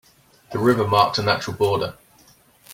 The river marked a natural border.